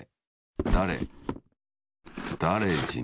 だれだれじん。